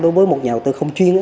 đối với một nhà đầu tư không chuyên